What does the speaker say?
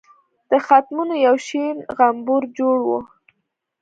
د ختمونو یو شین غومبر جوړ وو.